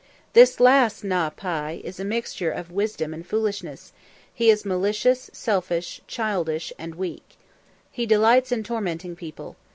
This last Na´pi is a mixture of wisdom and foolishness; he is malicious, selfish, childish, and weak. He delights in tormenting people.